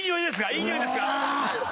いいにおいですか？